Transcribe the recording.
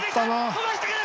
伸ばしてくる！